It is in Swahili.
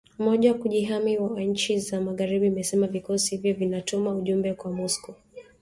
Umoja wa kujihami wa nchi za magharibi imesema vikosi hivyo vinatuma ujumbe kwa Moscow